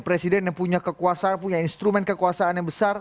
presiden yang punya kekuasaan punya instrumen kekuasaan yang besar